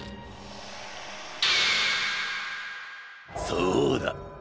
そうだ。